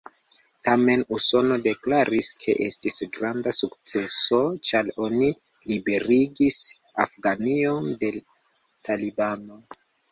Tamen Usono deklaris, ke estis granda sukceso, ĉar oni liberigis Afganion de talibano.